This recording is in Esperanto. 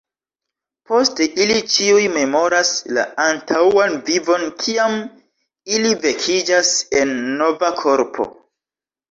Poste ili ĉiuj memoras la antaŭan vivon kiam ili vekiĝas en nova korpo.